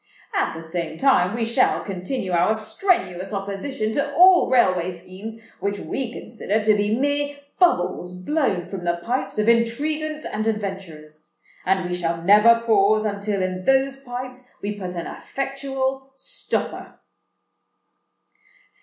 At the same time we shall continue our strenuous opposition to all railway schemes which we consider to be mere bubbles blown from the pipes of intriguants and adventurers; and we shall never pause until in those pipes we put an effectual stopper."